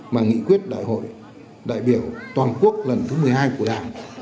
mà nghị quyết đại hội đại biểu toàn quốc lần thứ một mươi hai của đảng